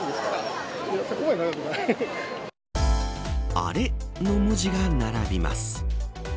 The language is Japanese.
アレの文字が並びます。